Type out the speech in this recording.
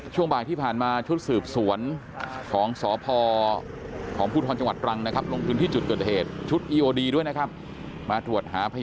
ช่วงบ่ายที่ผ่านมาชุดสืบศวนของศพ